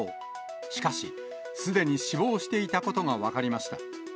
しかし、すでに死亡していたことが分かりました。